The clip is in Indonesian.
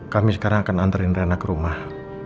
kami sekarang akan anterin rena ke rumah